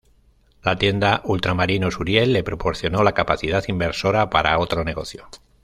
La tienda Ultramarinos Uriel le proporcionó la capacidad inversora para otro negocio.